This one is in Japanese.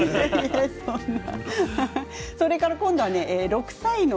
そんな。